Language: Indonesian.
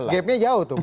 gapnya jauh tuh pak